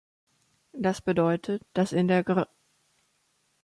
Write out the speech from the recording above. Das bedeutet, dass in der Gr.